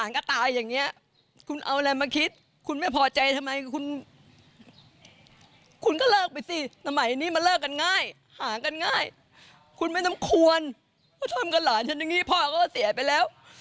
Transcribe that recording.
ก็ทำกับหลานฉันอย่างนี้พ่อเขาก็เสียไปแล้ว